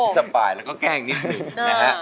สบายแล้วก็แกล้งนิดหนึ่งนะฮะ